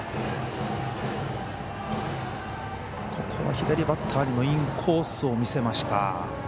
ここは左バッターにもインコースを見せました。